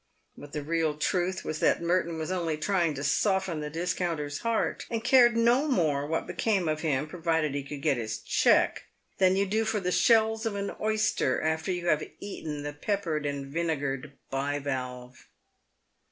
But the real truth was that Merton was only trying to soften the discounter's heart, and cared no more what became of him, provided he could get his cheque, than you do for the shells of an oyster, after you have eaten the peppered and vinegared bivalve.